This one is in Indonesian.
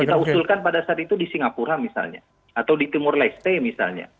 kita usulkan pada saat itu di singapura misalnya atau di timur leste misalnya